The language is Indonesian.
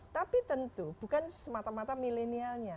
tapi tentu bukan semata mata milenialnya